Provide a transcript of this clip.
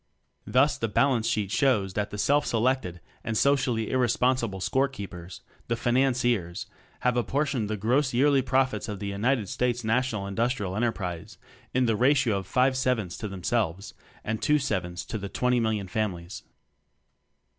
Thus the balance sheet shows that the self selected and socially irrespon sible score keepers the "Financiers" have apportioned the gross yearly "profits" of the United States National Industrial Enterprise in the ratio of five sevenths to themselves and two sevenths to the 20 million families.